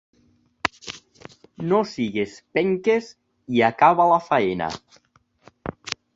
No siguis penques i acaba la feina.